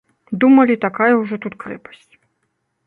Думалі, такая ўжо тут крэпасць.